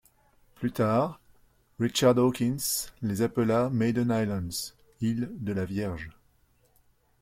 Plus tard, Richard Hawkins les appela Maiden-Islands, îles de la Vierge.